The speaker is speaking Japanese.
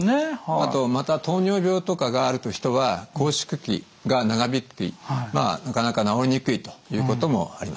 あとまた糖尿病とかがある人は拘縮期が長引きなかなか治りにくいということもあります。